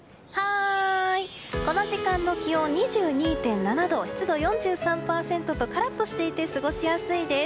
この時間の気温２２．７度湿度４３％とカラッとしていて過ごしやすいです。